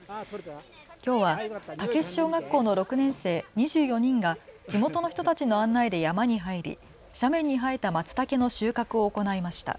きょうは武石小学校の６年生２４人が地元の人たちの案内で山に入り、斜面に生えたまつたけの収穫を行いました。